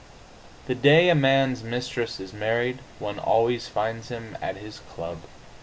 The day a man's mistress is married one always finds him at his club.